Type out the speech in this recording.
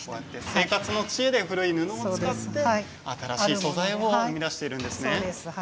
生活の知恵で古い布を使って新しいものを生み出しているんですね。